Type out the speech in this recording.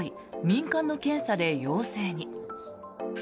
民間の検査で陽性に。